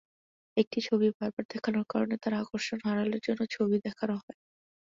একটি ছবি বারবার দেখানোর কারণে তারা আকর্ষণ হারালে অন্য ছবি দেখানো হয়।